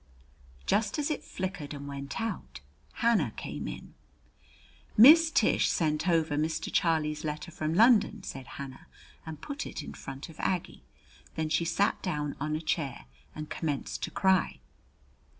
Just as it flickered and went out, Hannah came in. "Miss Tish sent over Mr. Charlie's letter from London," said Hannah, and put it in front of Aggie. Then she sat down on a chair and commenced to cry.